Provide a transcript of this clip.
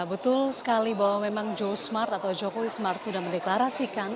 betul sekali bahwa memang joe smart atau jokowi smart sudah mendeklarasikan